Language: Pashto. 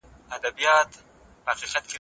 ښایي موږ د اوږده اتڼ لپاره ډوډۍ راوړو.